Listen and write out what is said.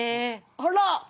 あら。